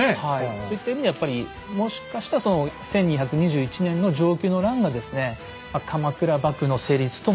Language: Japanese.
そういった意味ではやっぱりもしかしたら１２２１年の承久の乱がですね鎌倉幕府の成立とも。